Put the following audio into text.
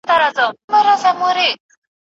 بیا به عطر د نارنج او د لونګ سي